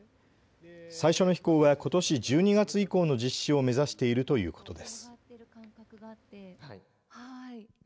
最初の飛行はことし１２月以降の実施を目指しているということです。